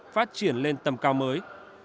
phát triển lên tầm cao mới